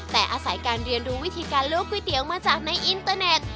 แต่อาศัยการเรียนรู้วิธีการลวกก๋วยเตี๋ยวมาจากในอินเตอร์เน็ต